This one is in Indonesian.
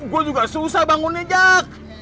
gue juga susah bangunnya jak